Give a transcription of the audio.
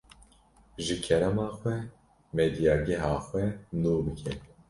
Ji kerama xwe, medyageha xwe nû bike.